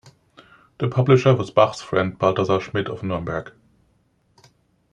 The publisher was Bach's friend Balthasar Schmid of Nuremberg.